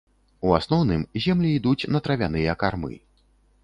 У асноўным, землі ідуць на травяныя кармы.